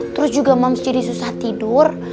terus juga moms jadi susah tidur